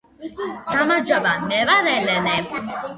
გამარჯობა მე ვარ ელენე